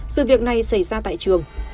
sự việc này xảy ra tại trường